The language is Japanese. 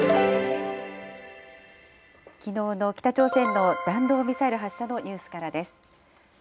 きのうの北朝鮮の弾道ミサイル発射のニュースからです。